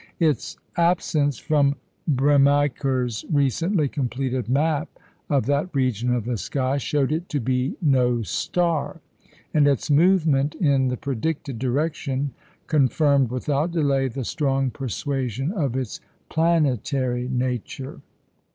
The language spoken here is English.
Its absence from Bremiker's recently completed map of that region of the sky showed it to be no star, and its movement in the predicted direction confirmed without delay the strong persuasion of its planetary nature.